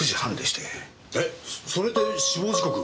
えっそれって死亡時刻。